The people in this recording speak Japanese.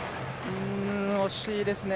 惜しいですね。